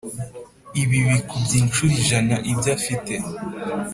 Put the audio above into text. Ibibikubye incuro ijana ibyo afite